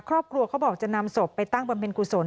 ครอบครัวเขาบอกจะนำศพไปตั้งบำเพ็ญกุศล